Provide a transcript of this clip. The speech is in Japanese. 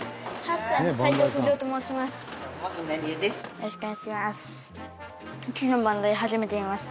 よろしくお願いします。